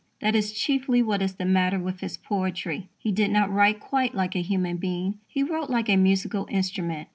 That is chiefly what is the matter with his poetry. He did not write quite like a human being. He wrote like a musical instrument.